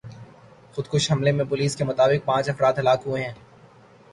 خودکش حملے میں پولیس کے مطابق پانچ افراد ہلاک ہوئے ہیں